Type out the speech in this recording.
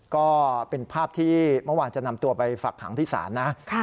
ก็เป็นภาพที่เมื่อวานจะนำตัวไปฝักขังที่ศาลนะ